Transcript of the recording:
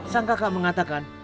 sang kakak mengatakan